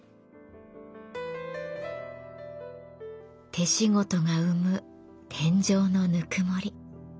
手仕事が生む天井のぬくもり。